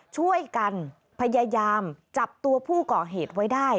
ช่วยกันพยายามจับตัวผู้ก่อเหตุไว้ได้